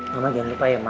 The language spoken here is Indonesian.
mama jangan lupa ya ma